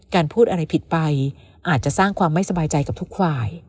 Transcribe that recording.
พูดอะไรผิดไปอาจจะสร้างความไม่สบายใจกับทุกฝ่าย